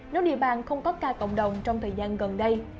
nếu địa bàn không có ca cộng đồng trong thời gian gần đây